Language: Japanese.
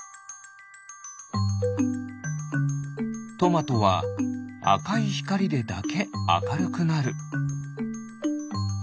トマトはあかいひかりでだけあかるくなる。